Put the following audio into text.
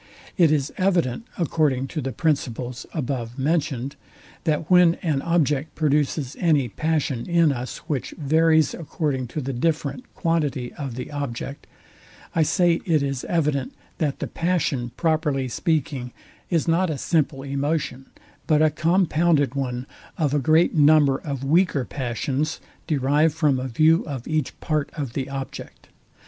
It is evident, according to the principles above mentioned, that when an object produces any passion in us, which varies according to the different quantity of the object; I say, it is evident, that the passion, properly speaking, is not a simple emotion, but a compounded one, of a great number of weaker passions, derived from a view of each part of the object.